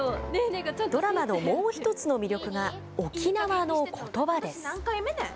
ドラマのもう１つの魅力が沖縄のことばです。